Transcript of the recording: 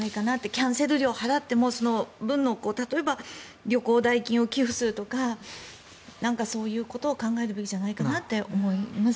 キャンセル料を払ってもその分の、例えば旅行代金を寄付するとか、そういうことを考えるべきじゃないかなと思います。